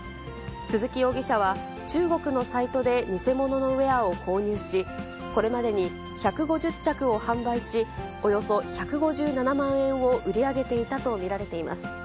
鈴木容疑者は、中国のサイトで偽物のウエアを購入し、これまでに１５０着を販売し、およそ１５７万円を売り上げていたと見られています。